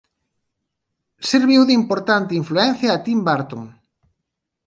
Serviu de importante influencia a Tim Burton.